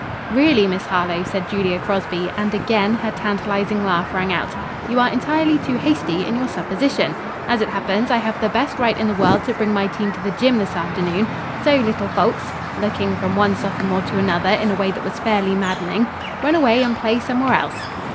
"Really, Miss Harlowe," said Julia Crosby, and again her tantalizing laugh rang out, "you are entirely too hasty in your supposition. As it happens, I have the best right in the world to bring my team to the gym. this afternoon. So, little folks," looking from one sophomore to another in a way that was fairly maddening, "run away and play somewhere else."